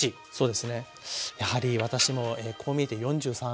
やはり私もこう見えて４３。